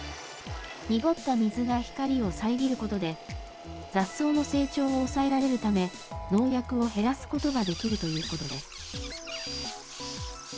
濁った水が光を遮ることで、雑草の成長を抑えられるため、農薬を減らすことができるということです。